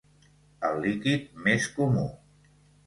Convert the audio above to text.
El líquid més comú.